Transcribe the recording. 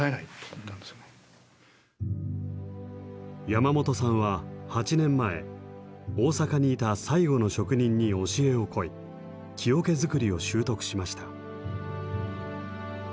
山本さんは８年前大阪にいた最後の職人に教えを請い木桶作りを習得しました。